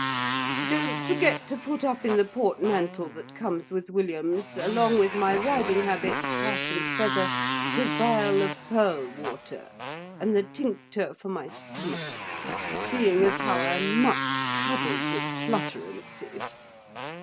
Don't forget to put up in the portmantel, that cums with Williams, along with my riding habit, hat, and feather, the viol of purl water, and the tincktur for my stomach; being as how I am much troubled with flutterencies.